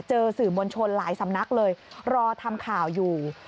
เจอสื่อมวลชนหลายสำนักเลยรอทำข่าวอยู่